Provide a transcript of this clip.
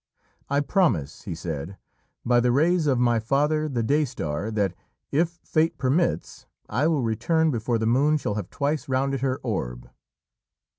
"I promise," he said, "by the rays of my Father the Day Star, that if fate permits I will return before the moon shall have twice rounded her orb."